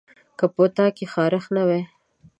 که په تا کې خارښت نه وای